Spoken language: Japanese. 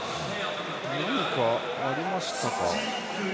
何かありましたか。